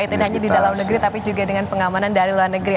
tidak hanya di dalam negeri tapi juga dengan pengamanan dari luar negeri